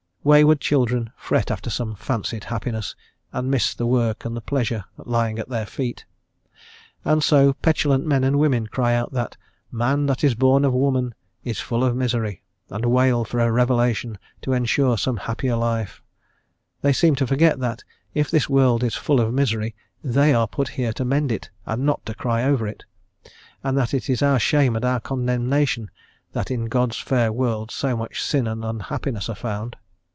Wayward children fret after some fancied happiness and miss the work and the pleasure lying at their feet, and so petulant men and women cry out that "man that is born of woman... is full of misery," and wail for a revelation to ensure some happier life: they seem to forget that if this world is full of misery they are put here to mend it and not to cry over it, and that it is our shame and our condemnation that in God's fair world so much sin and unhappiness are found.